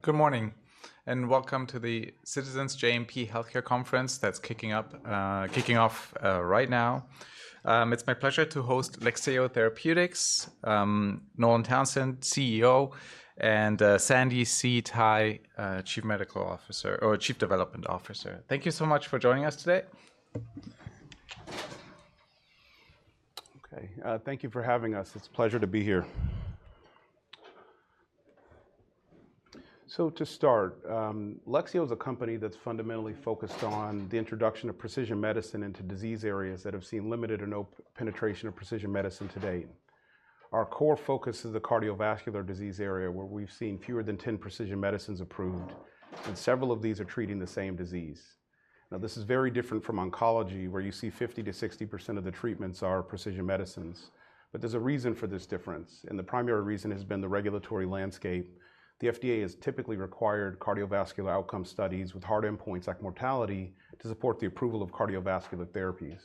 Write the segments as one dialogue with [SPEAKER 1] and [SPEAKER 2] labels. [SPEAKER 1] Good morning and welcome to the Citizens JMP Healthcare Conference that's kicking up, kicking off, right now. It's my pleasure to host Lexeo Therapeutics, Nolan Townsend, CEO, and Sandi See Tai, Chief Medical Officer or Chief Development Officer. Thank you so much for joining us today.
[SPEAKER 2] Okay. Thank you for having us. It's a pleasure to be here. So to start, Lexeo is a company that's fundamentally focused on the introduction of precision medicine into disease areas that have seen limited or no penetration of precision medicine to date. Our core focus is the cardiovascular disease area, where we've seen fewer than 10 precision medicines approved, and several of these are treating the same disease. Now, this is very different from oncology, where you see 50%-60% of the treatments are precision medicines. But there's a reason for this difference, and the primary reason has been the regulatory landscape. The FDA has typically required cardiovascular outcome studies with hard endpoints like mortality to support the approval of cardiovascular therapies.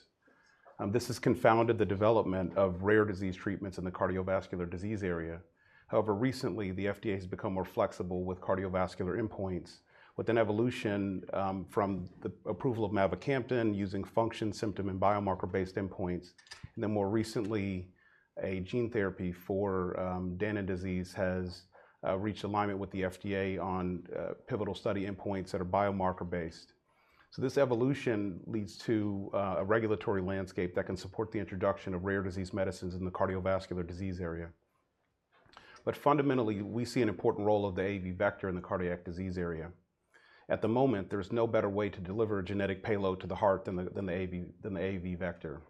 [SPEAKER 2] This has confounded the development of rare disease treatments in the cardiovascular disease area. However, recently, the FDA has become more flexible with cardiovascular endpoints with an evolution from the approval of mavacamten using function, symptom, and biomarker-based endpoints. Then more recently, a gene therapy for Danon disease has reached alignment with the FDA on pivotal study endpoints that are biomarker-based. This evolution leads to a regulatory landscape that can support the introduction of rare disease medicines in the cardiovascular disease area. But fundamentally, we see an important role of the AAV vector in the cardiac disease area. At the moment, there's no better way to deliver a genetic payload to the heart than the AAV vector.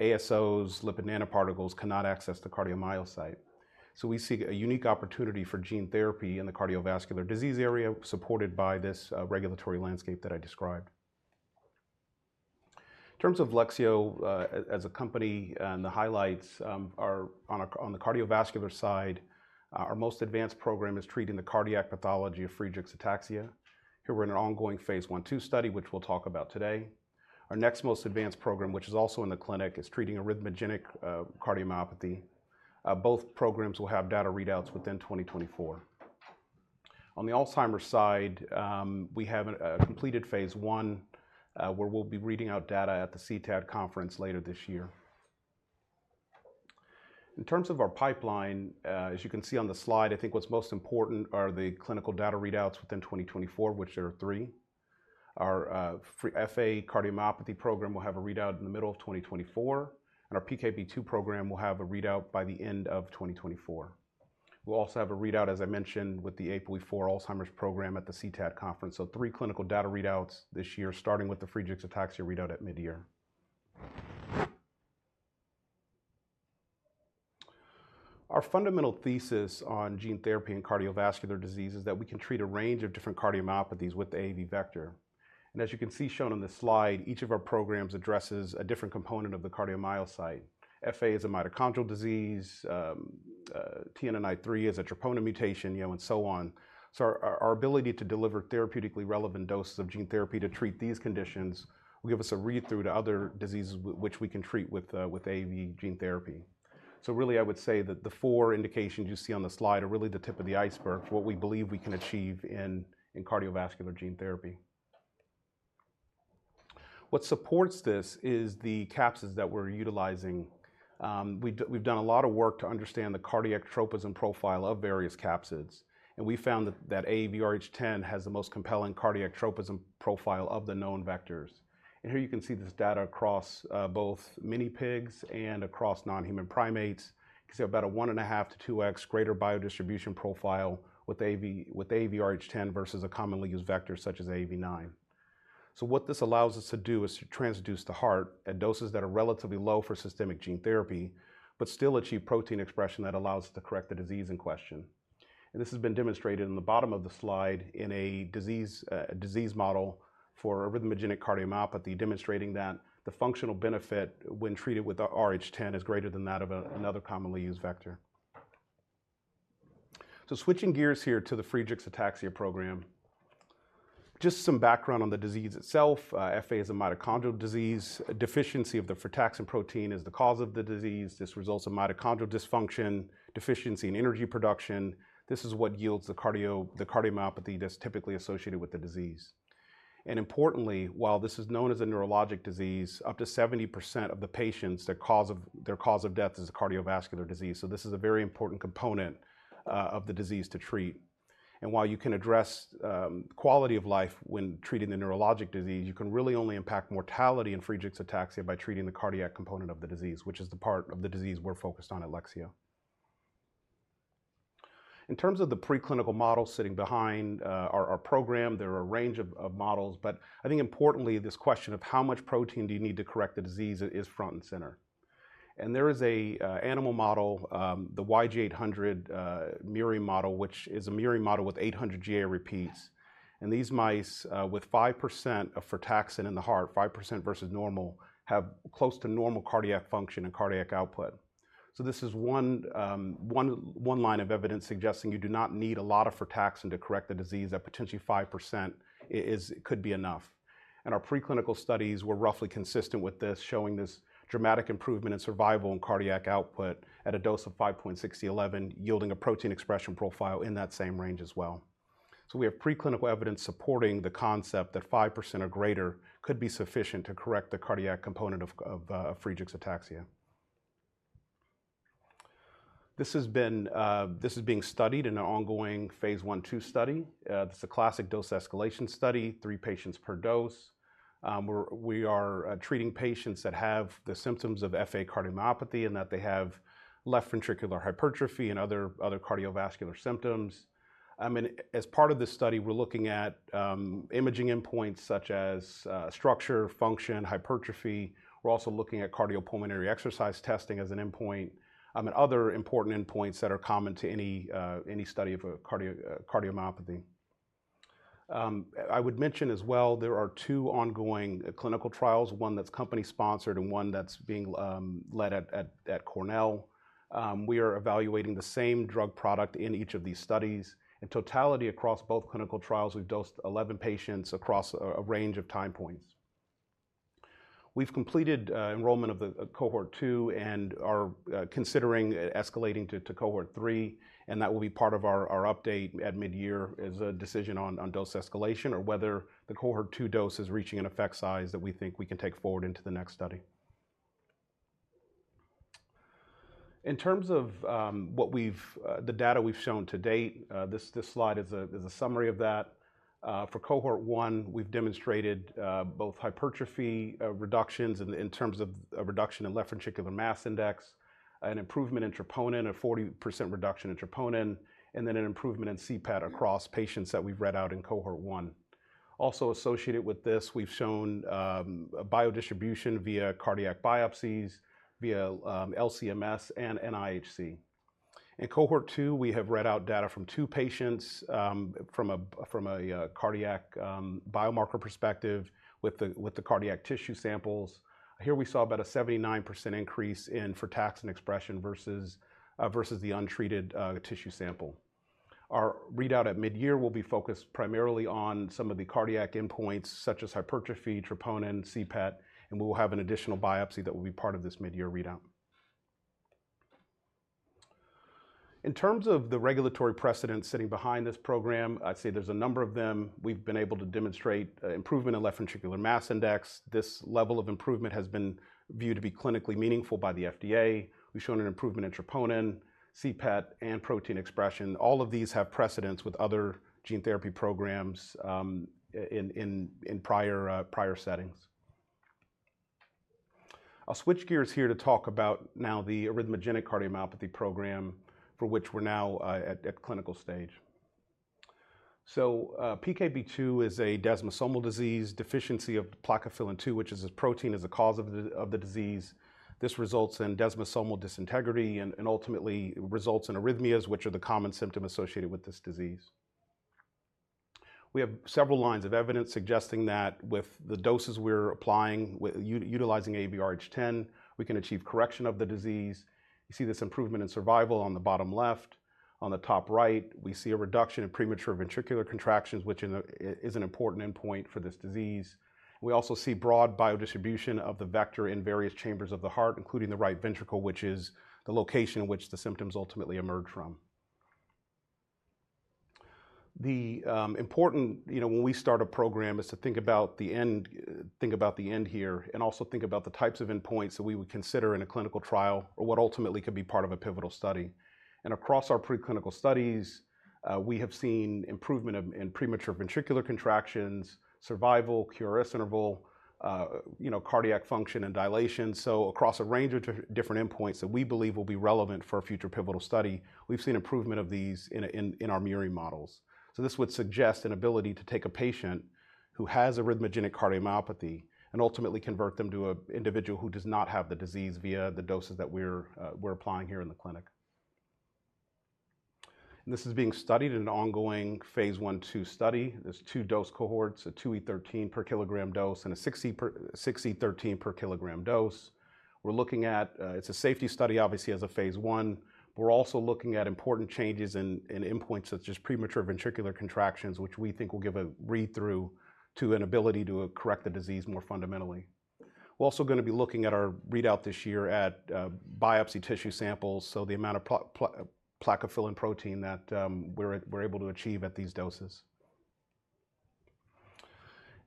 [SPEAKER 2] ASOs, lipid nanoparticles, cannot access the cardiomyocyte. We see a unique opportunity for gene therapy in the cardiovascular disease area supported by this regulatory landscape that I described. In terms of Lexeo, as a company, and the highlights, are on the cardiovascular side, our most advanced program is treating the cardiac pathology of Friedreich's ataxia. Here we're in an ongoing phase I-II study, which we'll talk about today. Our next most advanced program, which is also in the clinic, is treating arrhythmogenic cardiomyopathy. Both programs will have data readouts within 2024. On the Alzheimer's side, we have a completed phase I, where we'll be reading out data at the CTAD conference later this year. In terms of our pipeline, as you can see on the slide, I think what's most important are the clinical data readouts within 2024, which there are three. Our FA Cardiomyopathy program will have a readout in the middle of 2024, and our PKP2 program will have a readout by the end of 2024. We'll also have a readout, as I mentioned, with the APOE4 Alzheimer's program at the CTAD conference, so three clinical data readouts this year, starting with the Friedreich's ataxia readout at mid-year. Our fundamental thesis on gene therapy in cardiovascular disease is that we can treat a range of different cardiomyopathies with the AAV vector. And as you can see shown on this slide, each of our programs addresses a different component of the cardiomyocyte. FA is a mitochondrial disease, TNNI3 is a troponin mutation, you know, and so on. So our ability to deliver therapeutically relevant doses of gene therapy to treat these conditions will give us a read-through to other diseases which we can treat with AAV gene therapy. So really, I would say that the four indications you see on the slide are really the tip of the iceberg for what we believe we can achieve in in cardiovascular gene therapy. What supports this is the capsids that we're utilizing. We've done a lot of work to understand the cardiac tropism profile of various capsids, and we found that AAVrh10 has the most compelling cardiac tropism profile of the known vectors. And here you can see this data across both minipigs and across non-human primates. You can see about a 1.5-2x greater biodistribution profile with AAVrh10 versus a commonly used vector such as AAV9. So what this allows us to do is to transduce the heart at doses that are relatively low for systemic gene therapy but still achieve protein expression that allows us to correct the disease in question. This has been demonstrated in the bottom of the slide in a disease model for arrhythmogenic cardiomyopathy, demonstrating that the functional benefit when treated with rh10 is greater than that of another commonly used vector. So switching gears here to the Friedreich's ataxia program. Just some background on the disease itself. FA is a mitochondrial disease. Deficiency of the frataxin protein is the cause of the disease. This results in mitochondrial dysfunction, deficiency in energy production. This is what yields the cardiomyopathy that's typically associated with the disease. And importantly, while this is known as a neurologic disease, up to 70% of the patients, their cause of death is a cardiovascular disease. So this is a very important component of the disease to treat. While you can address quality of life when treating the neurologic disease, you can really only impact mortality in Friedreich's ataxia by treating the cardiac component of the disease, which is the part of the disease we're focused on at Lexeo. In terms of the preclinical model sitting behind our program, there are a range of models. But I think importantly, this question of how much protein do you need to correct the disease is front and center. There is an animal model, the YG8 murine model, which is a murine model with 800 GAA repeats. These mice, with 5% of frataxin in the heart, 5% versus normal, have close to normal cardiac function and cardiac output. So this is one line of evidence suggesting you do not need a lot of frataxin to correct the disease. That potentially 5% is could be enough. Our preclinical studies were roughly consistent with this, showing this dramatic improvement in survival and cardiac output at a dose of 5.6 × 10^11, yielding a protein expression profile in that same range as well. So we have preclinical evidence supporting the concept that 5% or greater could be sufficient to correct the cardiac component of Friedreich's ataxia. This has been, this is being studied in an ongoing phase I-II study. It's a classic dose escalation study, 3 patients per dose. We are treating patients that have the symptoms of FA cardiomyopathy and that they have left ventricular hypertrophy and other cardiovascular symptoms. I mean, as part of this study, we're looking at imaging endpoints such as structure, function, hypertrophy. We're also looking at cardiopulmonary exercise testing as an endpoint, and other important endpoints that are common to any study of a cardiomyopathy. I would mention as well, there are two ongoing clinical trials, one that's company-sponsored and one that's being led at Cornell. We are evaluating the same drug product in each of these studies. In totality, across both clinical trials, we've dosed 11 patients across a range of time points. We've completed enrollment of the Cohort II and are considering escalating to Cohort III. And that will be part of our update at mid-year is a decision on dose escalation or whether the Cohort II dose is reaching an effect size that we think we can take forward into the next study. In terms of the data we've shown to date, this slide is a summary of that. For Cohort I, we've demonstrated both hypertrophy reductions in terms of a reduction in left ventricular mass index, an improvement in troponin, a 40% reduction in troponin, and then an improvement in CPET across patients that we've read out in Cohort I. Also associated with this, we've shown a biodistribution via cardiac biopsies, via LCMS and IHC. In Cohort II, we have read out data from 2 patients from a cardiac biomarker perspective with the cardiac tissue samples. Here we saw about a 79% increase in frataxin expression versus the untreated tissue sample. Our readout at mid-year will be focused primarily on some of the cardiac endpoints such as hypertrophy, troponin, CPET, and we will have an additional biopsy that will be part of this mid-year readout. In terms of the regulatory precedents sitting behind this program, I'd say there's a number of them. We've been able to demonstrate improvement in left ventricular mass index. This level of improvement has been viewed to be clinically meaningful by the FDA. We've shown an improvement in troponin, CPET, and protein expression. All of these have precedents with other gene therapy programs in prior settings. I'll switch gears here to talk about now the arrhythmogenic cardiomyopathy program for which we're now at clinical stage. So, PKP2 is a desmosomal disease, deficiency of plakophilin-2, which is this protein is the cause of the disease. This results in desmosomal disintegrity and ultimately results in arrhythmias, which are the common symptoms associated with this disease. We have several lines of evidence suggesting that with the doses we're applying, utilizing AAVrh10, we can achieve correction of the disease. You see this improvement in survival on the bottom left. On the top right, we see a reduction in premature ventricular contractions, which is an important endpoint for this disease. We also see broad biodistribution of the vector in various chambers of the heart, including the right ventricle, which is the location in which the symptoms ultimately emerge from. The important, you know, when we start a program is to think about the end here and also think about the types of endpoints that we would consider in a clinical trial or what ultimately could be part of a pivotal study. Across our preclinical studies, we have seen improvement in premature ventricular contractions, survival, QRS interval, you know, cardiac function and dilation. So across a range of different endpoints that we believe will be relevant for a future pivotal study, we've seen improvement of these in our murine models. So this would suggest an ability to take a patient who has arrhythmogenic cardiomyopathy and ultimately convert them to an individual who does not have the disease via the doses that we're applying here in the clinic. And this is being studied in an ongoing phase I-II study. There are two dose Cohorts, a 2E13 per kg dose and a 6E13 per kg dose. We're looking at it. It's a safety study, obviously, as a phase I, but we're also looking at important changes in endpoints such as premature ventricular contractions, which we think will give a read-through to an ability to correct the disease more fundamentally. We're also going to be looking at our readout this year at biopsy tissue samples, so the amount of plakophilin-2 protein that we're able to achieve at these doses.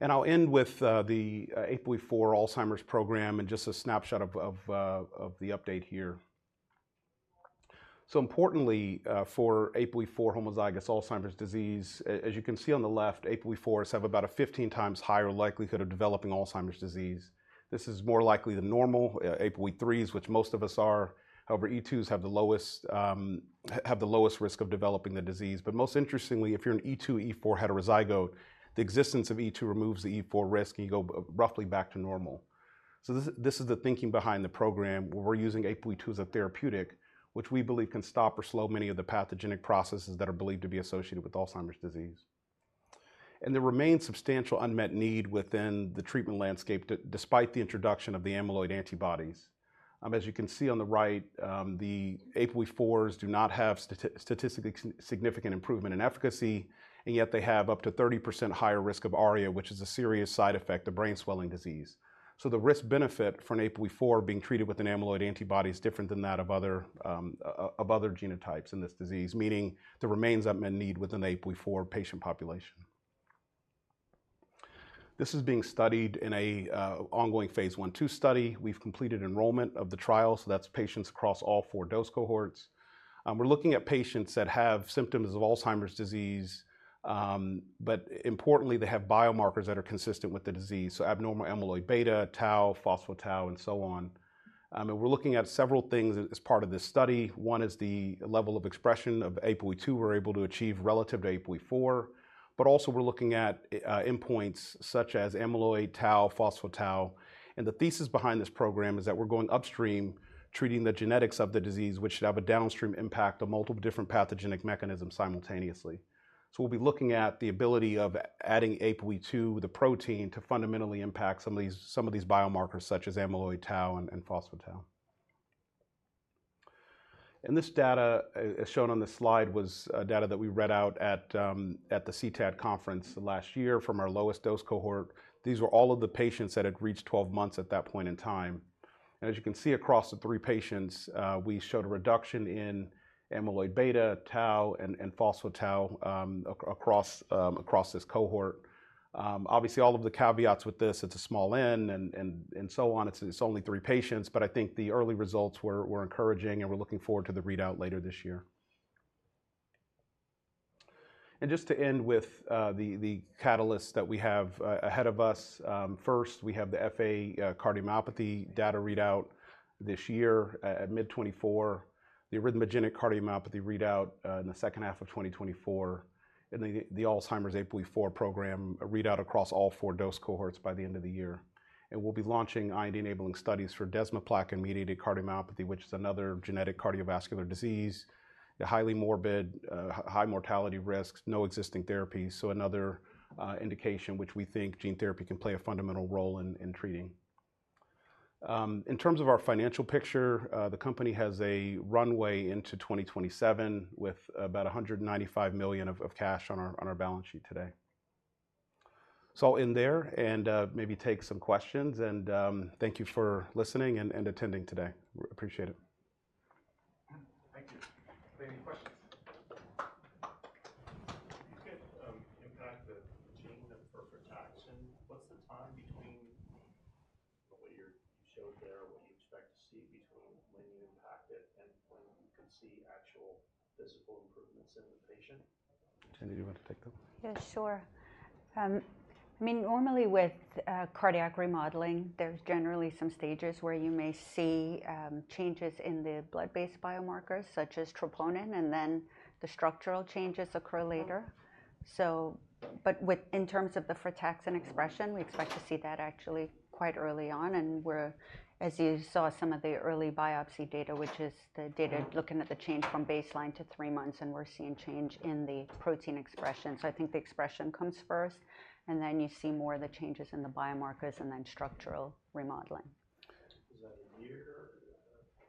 [SPEAKER 2] I'll end with the APOE4 Alzheimer's program and just a snapshot of the update here. So importantly, for APOE4 homozygous Alzheimer's disease, as you can see on the left, APOE4s have about 15 times higher likelihood of developing Alzheimer's disease. This is more likely than normal APOE3s, which most of us are. However, APOE2s have the lowest risk of developing the disease. But most interestingly, if you're an E2, E4 heterozygote, the existence of E2 removes the E4 risk, and you go roughly back to normal. So this is the thinking behind the program, where we're using APOE2 as a therapeutic, which we believe can stop or slow many of the pathogenic processes that are believed to be associated with Alzheimer's disease. And there remains substantial unmet need within the treatment landscape despite the introduction of the amyloid antibodies. As you can see on the right, the APOE4s do not have statistically significant improvement in efficacy, and yet they have up to 30% higher risk of ARIA, which is a serious side effect, the brain swelling disease. So the risk-benefit for an APOE4 being treated with an amyloid antibody is different than that of other genotypes in this disease, meaning there remains unmet need within the APOE4 patient population. This is being studied in an ongoing phase I-II study. We've completed enrollment of the trial, so that's patients across all four dose Cohorts. We're looking at patients that have symptoms of Alzheimer's disease, but importantly, they have biomarkers that are consistent with the disease, so abnormal amyloid beta, tau, phospho-tau, and so on. And we're looking at several things as part of this study. One is the level of expression of APOE2 we're able to achieve relative to APOE4. But also, we're looking at endpoints such as amyloid, tau, phospho-tau. The thesis behind this program is that we're going upstream, treating the genetics of the disease, which should have a downstream impact on multiple different pathogenic mechanisms simultaneously. So we'll be looking at the ability of adding APOE2, the protein, to fundamentally impact some of these biomarkers such as amyloid beta, tau, and phospho-tau. And this data, as shown on this slide, was data that we read out at the CTAD conference last year from our lowest dose Cohort. These were all of the patients that had reached 12 months at that point in time. And as you can see across the three patients, we showed a reduction in amyloid beta, tau, and phospho-tau across this Cohort. Obviously, all of the caveats with this, it's a small N and so on. It's only three patients. But I think the early results were encouraging, and we're looking forward to the readout later this year. Just to end with the catalysts that we have ahead of us, first, we have the FA cardiomyopathy data readout this year at mid-2024, the arrhythmogenic cardiomyopathy readout in the second half of 2024, and the Alzheimer's APOE4 program readout across all four dose Cohorts by the end of the year. We'll be launching IND-enabling studies for desmoplakin-mediated cardiomyopathy, which is another genetic cardiovascular disease, a highly morbid, high mortality risk, no existing therapies. So another indication which we think gene therapy can play a fundamental role in treating. In terms of our financial picture, the company has a runway into 2027 with about $195 million of cash on our balance sheet today. I'll end there and maybe take some questions. Thank you for listening and attending today. We appreciate it.
[SPEAKER 1] Thank you. Are there any questions?
[SPEAKER 3] If you could impact the gene for frataxin, what's the time between what you showed there or what you expect to see between when you impact it and when you could see actual physical improvements in the patient?
[SPEAKER 2] Sandi, do you want to take that?
[SPEAKER 4] Yeah, sure. I mean, normally with cardiac remodeling, there's generally some stages where you may see changes in the blood-based biomarkers such as troponin, and then the structural changes occur later. So but with in terms of the frataxin expression, we expect to see that actually quite early on. And we're, as you saw, some of the early biopsy data, which is the data looking at the change from baseline to three months, and we're seeing change in the protein expression. So I think the expression comes first, and then you see more of the changes in the biomarkers and then structural remodeling.
[SPEAKER 3] Is that a year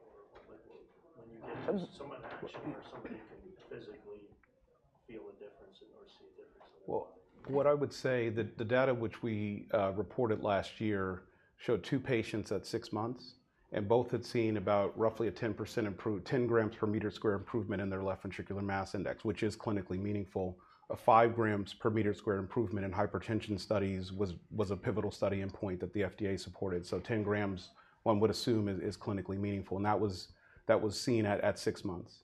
[SPEAKER 3] or like what when you get to someone actually or somebody can physically feel a difference in or see a difference in their body?
[SPEAKER 2] Well, what I would say, the data which we reported last year showed two patients at six months, and both had seen about roughly a 10% improved 10 grams per square meter improvement in their left ventricular mass index, which is clinically meaningful. A 5 grams per square meter improvement in hypertension studies was a pivotal study endpoint that the FDA supported. So 10 grams, one would assume is clinically meaningful. And that was seen at six months.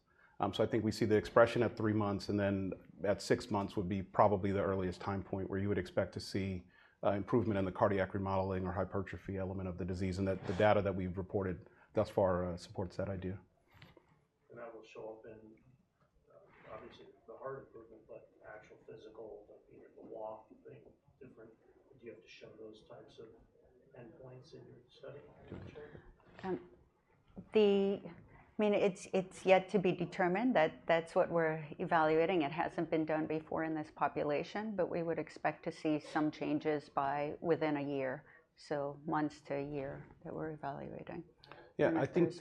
[SPEAKER 2] So I think we see the expression at three months, and then at six months would be probably the earliest time point where you would expect to see improvement in the cardiac remodeling or hypertrophy element of the disease. And the data that we've reported thus far supports that idea.
[SPEAKER 3] That will show up in, obviously, the heart improvement, but actual physical, you know, the walk being different. Do you have to show those types of endpoints in your study? Do you want to show it?
[SPEAKER 4] I mean, it's yet to be determined. That's what we're evaluating. It hasn't been done before in this population, but we would expect to see some changes by within a year, so months to a year that we're evaluating.
[SPEAKER 2] Yeah, I think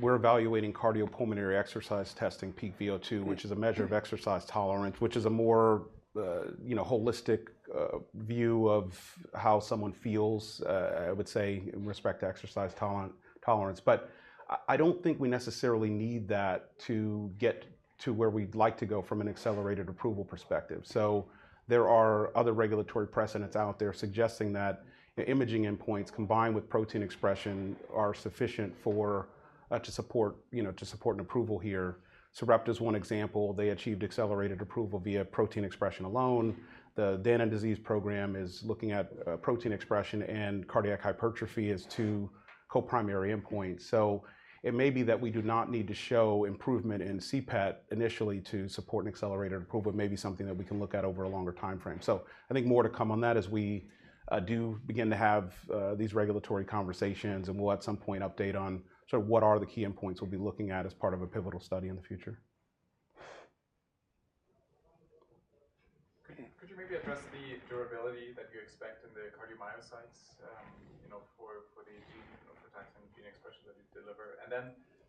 [SPEAKER 2] we're evaluating cardiopulmonary exercise testing, peak VO2, which is a measure of exercise tolerance, which is a more, you know, holistic view of how someone feels, I would say, in respect to exercise tolerance. But I don't think we necessarily need that to get to where we'd like to go from an accelerated approval perspective. So there are other regulatory precedents out there suggesting that imaging endpoints combined with protein expression are sufficient for, to support, you know, to support an approval here. Sarepta is one example. They achieved accelerated approval via protein expression alone. The Danon disease program is looking at protein expression and cardiac hypertrophy as two coprimary endpoints. So it may be that we do not need to show improvement in CPET initially to support an accelerated approval. It may be something that we can look at over a longer time frame. So I think more to come on that as we do begin to have these regulatory conversations, and we'll at some point update on sort of what are the key endpoints we'll be looking at as part of a pivotal study in the future.
[SPEAKER 3] Could you maybe address the durability that you expect in the cardiomyocytes, you know, for the gene you know, frataxin gene expression that you deliver? And then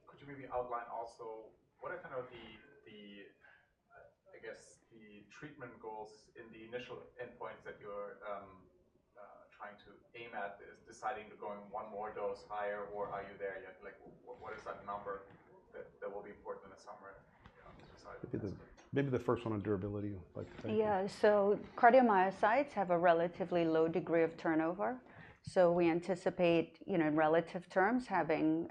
[SPEAKER 3] could you maybe outline also what are kind of the treatment goals in the initial endpoints that you're trying to aim at, is deciding to going one more dose higher, or are you there yet? Like, what is that number that will be important in the summer to decide?
[SPEAKER 2] I think, maybe the first one on durability, like, I think.
[SPEAKER 4] Yeah, so cardiomyocytes have a relatively low degree of turnover. So we anticipate, you know, in relative terms, having,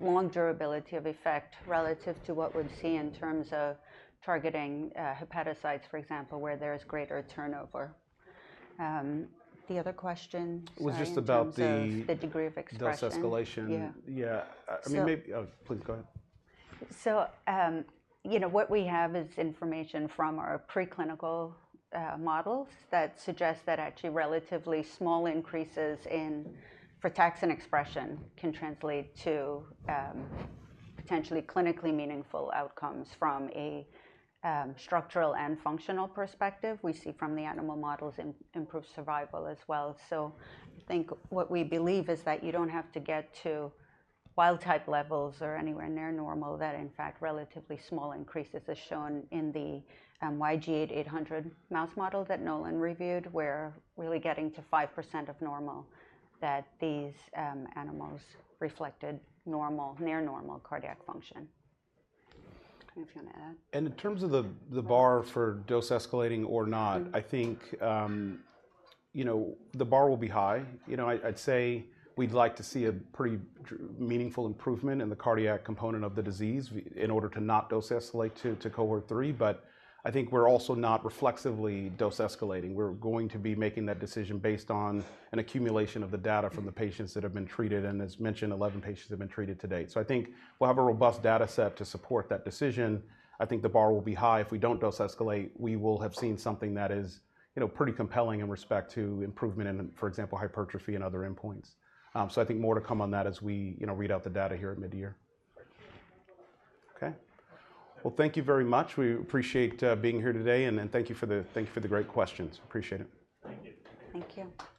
[SPEAKER 4] long durability of effect relative to what we'd see in terms of targeting, hepatocytes, for example, where there's greater turnover. The other question says.
[SPEAKER 2] It was just about the.
[SPEAKER 4] Dose escalation.
[SPEAKER 2] Dose escalation. Yeah. Yeah. I mean, maybe. Oh, please, go ahead.
[SPEAKER 4] So, you know, what we have is information from our preclinical models that suggest that actually relatively small increases in frataxin expression can translate to potentially clinically meaningful outcomes from a structural and functional perspective. We see from the animal models improved survival as well. So I think what we believe is that you don't have to get to wild-type levels or anywhere near normal that, in fact, relatively small increases, as shown in the YG8 mouse model that Nolan reviewed, where really getting to 5% of normal, that these animals reflected normal near-normal cardiac function. I don't know if you want to add that.
[SPEAKER 2] In terms of the bar for dose escalating or not, I think, you know, the bar will be high. You know, I'd say we'd like to see a pretty dramatically meaningful improvement in the cardiac component of the disease in order to not dose escalate to Cohort 3. But I think we're also not reflexively dose escalating. We're going to be making that decision based on an accumulation of the data from the patients that have been treated. And as mentioned, 11 patients have been treated to date. So I think we'll have a robust data set to support that decision. I think the bar will be high. If we don't dose escalate, we will have seen something that is, you know, pretty compelling in respect to improvement in, for example, hypertrophy and other endpoints. So I think more to come on that as we, you know, read out the data here at mid-year.
[SPEAKER 1] Okay. Well, thank you very much. We appreciate being here today. And thank you for the great questions. Appreciate it. Thank you.
[SPEAKER 4] Thank you.